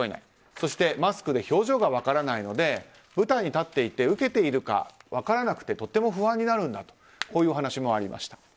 そしてマスクで表情が分からないので舞台に立っていてウケているか分からなくてとても不安になるとこういうお話もありました。